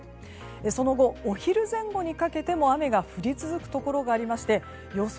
その後、お昼前後にかけても雨が降り続くところがありまして予想